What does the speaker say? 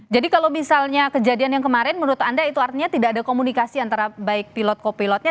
jadi kalau misalnya kejadian yang kemarin menurut anda itu artinya tidak ada komunikasi antara baik pilot co pilotnya